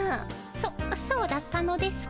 そそうだったのですか。